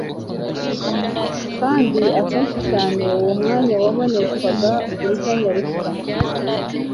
kandi akenshi cyane uwo mwanya waboneshwaga uburiganya, ruswa,